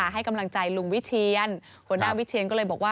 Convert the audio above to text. ให้กำลังใจหลุงวิเชียน